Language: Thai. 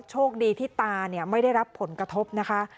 โชคดีที่ตาไม่ได้รับผลกระทบนะคะ